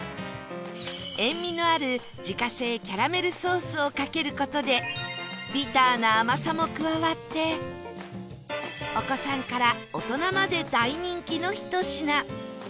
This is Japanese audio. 塩味のある自家製キャラメルソースをかける事でビターな甘さも加わってお子さんから大人まで大人気のひと品